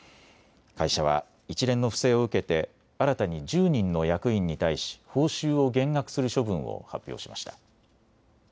会社は一連の不正を受けて新たに１０人の役員に対し報酬を減額する処分を発表しました。